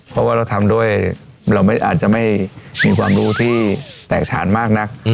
เพราะว่าเราทำด้วยเราอาจจะไม่มีความรู้ที่แตกฉานมากนัก